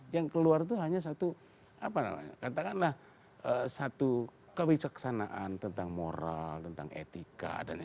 yang keluar itu hanya satu apa namanya katakanlah satu kebijaksanaan tentang moral tentang etika